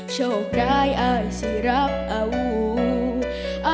โชคดายไอสิรับเอา